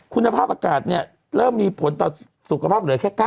คุณภาพอากาศเนี่ยเริ่มมีผลต่อสุขภาพเหลือแค่๙๐